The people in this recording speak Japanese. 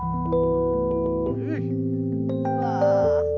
うわ。